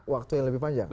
waktu yang lebih panjang